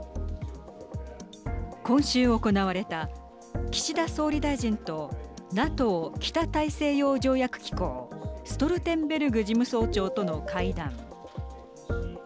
今週行われた岸田総理大臣とＮＡＴＯ＝北大西洋条約機構ストルテンベルグ事務総長との会談。